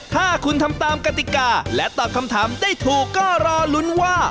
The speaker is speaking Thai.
ถ้าคุณทำตามกติกาและตอบคำถามได้ถูกก็รอลุ้นว่า